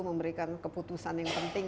memberikan keputusan yang penting